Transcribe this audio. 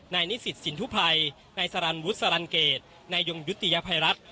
นิสิตสินทุภัยนายสรรวุฒิสรรเกตนายยงยุติยภัยรัฐ